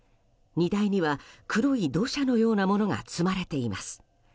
荷台には黒い土砂のようなものが積まれています。